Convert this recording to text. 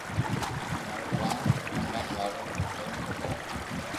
مارو ڪوم اونلائن وارو ھووُہ کپي